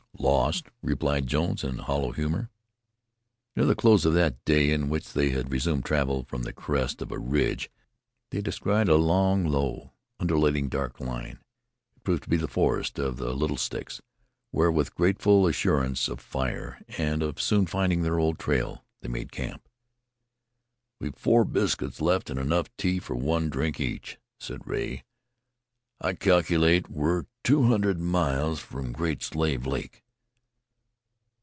"Lost," replied Jones in hollow humor. Near the close of that day, in which they had resumed travel, from the crest of a ridge they descried a long, low, undulating dark line. It proved to be the forest of "Little sticks," where, with grateful assurance of fire and of soon finding their old trail, they made camp. "We've four biscuits left, an' enough tea for one drink each," said Rea. "I calculate we're two hundred miles from Great Slave Lake.